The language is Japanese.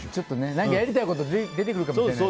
何か、やりたいこと出てくるかもしれない。